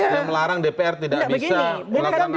yang melarang dpr tidak bisa melakukan angket